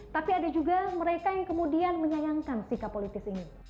tapi ada juga mereka yang kemudian menyayangkan sikap politis ini